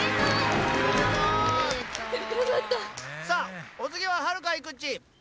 さあおつぎははるかいくっち。